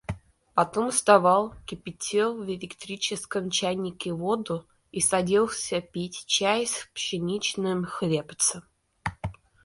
Потом вставал, кипятил в электрическом чайнике воду и садился пить чай с пшеничным хлебцем.